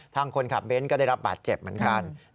ทางคนขับเบ้นก็ได้รับบาดเจ็บเหมือนกัน